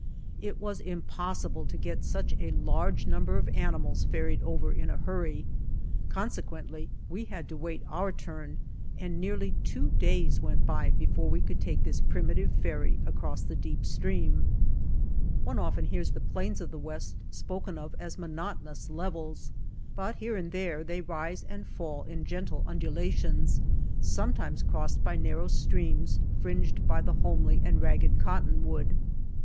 It was impossible to get such a large number of animals ferried over in a hurry. Consequently we had to wait our turn and nearly two days went by before we could take this primitive ferry across the deep stream. One often hears the plains of the West spoken of as monotonous levels. But here and there they rise and fall in gentle undulations, sometimes crossed by narrow streams fringed by the homely and ragged Cottonwood.